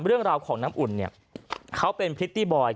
เรื่องราวของน้ำอุ่นเนี่ยเขาเป็นพริตตี้บอย